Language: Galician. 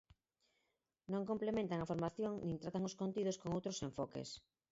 Non complementan a formación nin tratan os contidos con outros enfoques.